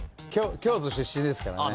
京都出身ですからね。